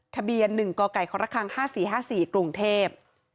ทะเบียน๑กไก่ครค๕๔๕๔กรุงเทพ